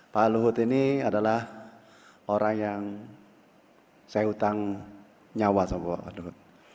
pak luhut ini adalah orang yang saya utang nyawa sama pak luhut